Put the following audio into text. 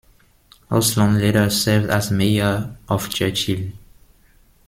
Osland later served as mayor of Churchill.